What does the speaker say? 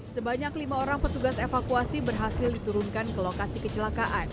sebanyak lima orang petugas evakuasi berhasil diturunkan ke lokasi kecelakaan